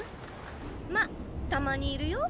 まったまにいるよ？